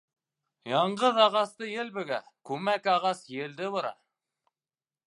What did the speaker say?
Яңғыҙ ағасты ел бөгә, күмәк ағас елде бора.